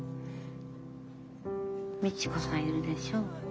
ミチコさんいるでしょ。